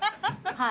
「はい」